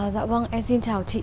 dạ vâng em xin chào chị